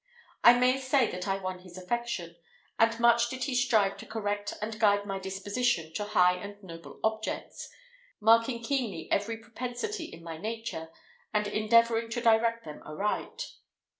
I may say that I won his affection; and much did he strive to correct and guide my disposition to high and noble objects, marking keenly every propensity in my nature, and endeavouring to direct them aright.